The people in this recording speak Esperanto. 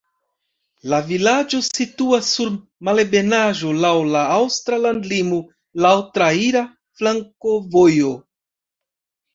La vilaĝo situas sur malebenaĵo, laŭ la aŭstra landlimo, laŭ traira flankovojo.